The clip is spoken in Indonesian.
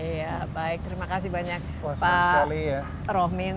iya baik terima kasih banyak pak romin